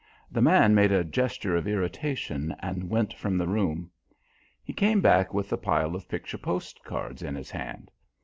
The man made a gesture of irritation and went from the room. He came back with a pile of picture postcards in his hand.